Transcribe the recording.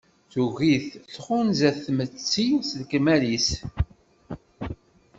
Tugi-t, tɣunza-t tmetti s lekmal-is.